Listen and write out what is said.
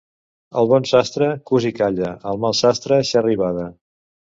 El bon sastre, cus i calla; el mal sastre, xerra i bada.